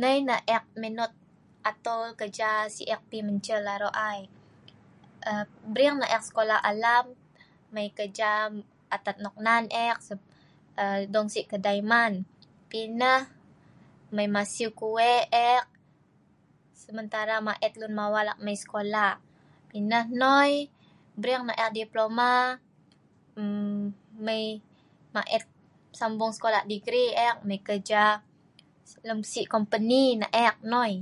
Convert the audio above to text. Nai nah ek minot atol keja si ek pi mencel aro' ai. Aaa bring nah ek sekolah alam, mai keja atad noknan ek dong si kedai man. Pi nah mai masiu kue ek, sementara mait lun mawal ek mai sekolah. Pinah noi, bring nah ek diploma mmm mai mait sambung sekolah digri ek, mai keja lem si kompeni nah ek noi.